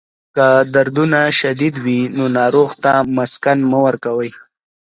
که دردونه شدید وي، نو ناروغ ته مسکن مه ورکوئ.